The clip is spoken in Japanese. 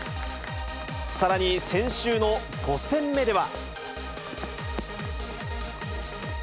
さらに、先週の５戦目では。